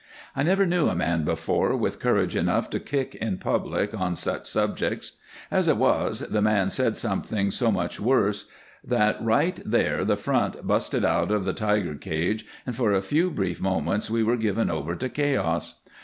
I never knew a man before with courage enough to kick in public on such subjects. As it was, the man said something so much worse that right there the front busted out of the tiger cage and for a few brief moments we were given over to chaos.